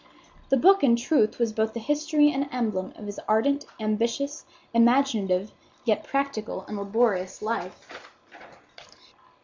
The book, in truth, was both the history and emblem of his ardent, ambitious, imaginative, yet practical and laborious life.